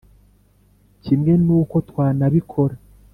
kimwe n` uko twanabikora